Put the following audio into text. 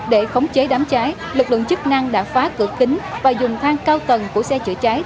để khống chế đám cháy lực lượng chức năng đã phá cửa kính và dùng thang cao tầng của xe chữa cháy